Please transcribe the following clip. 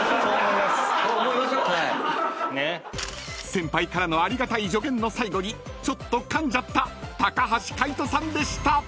［先輩からのありがたい助言の最後にちょっとかんじゃった橋海人さんでした］